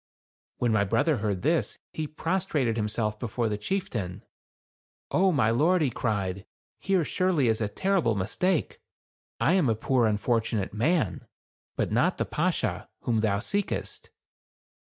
When my brother heard this, he prostrated him self before the chieftain. " O, my lord," he cried, "here, surely, is a terrible mistake. I am a poor unfortunate man ; but not the Bashaw, whom thou seekest."